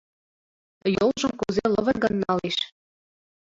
Йолжым кузе лывыргын налеш.